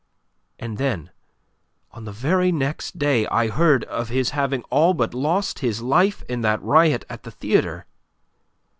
And then, on the very next day I heard of his having all but lost his life in that riot at the theatre.